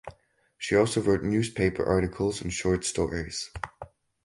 She also wrote newspaper articles and short stories.